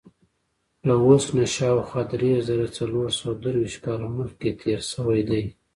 له اوس نه شاوخوا درې زره څلور سوه درویشت کاله مخکې تېر شوی دی.